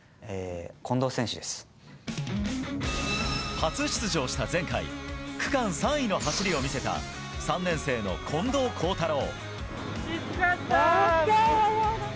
初出場した前回区間３位の走りを見せた３年生の近藤幸太郎。